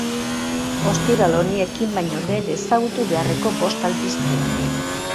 Ostiral honi ekin baino lehen ezagutu beharreko bost albisteak.